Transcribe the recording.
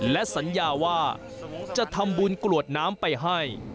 และสัญญาว่าจะทำบุญกรวดน้ำไปให้